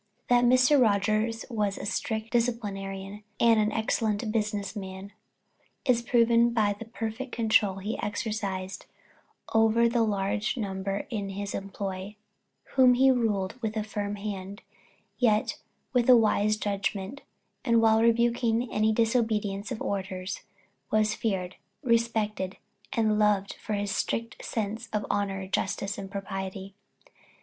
That Mr. Rogers was a strict disciplinarian and an excellent business man is proven by the perfect control he exercised over the large number in his employ, whom he ruled with a firm hand yet with a wise judgment, and while rebuking any disobedience of orders, was feared, respected and loved for his strict sense of honor, justice and propriety.